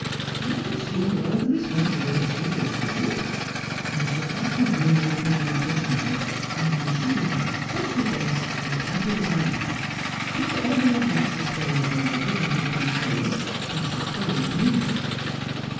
I'll assume all the responsibility of this visit. You shall have the room opening out of mine, and you shall be my special guest, and the apple of my eye. If Sir Everard wants to scold anybody when he comes home, he shall scold me.'